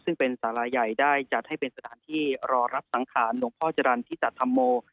ซึ่งเป็นสาราใหญ่ได้จัดให้เป็นสถานที่รอรับสังขารหลวงพ่อจรรย์ที่จัดธรรมโม